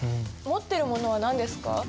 持っているものは何ですか？